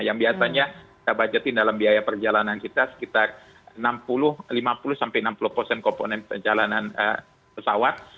yang biasanya kita budgetin dalam biaya perjalanan kita sekitar lima puluh sampai enam puluh persen komponen perjalanan pesawat